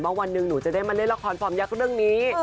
วันหนึ่งหนูจะได้มาเล่นละครฟอร์มยักษ์เรื่องนี้